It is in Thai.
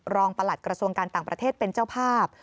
ประหลัดกระทรวงการต่างประเทศเป็นเจ้าภาพ